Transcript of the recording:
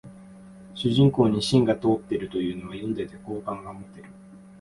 主人公に芯が通ってるというのは読んでて好感が持てる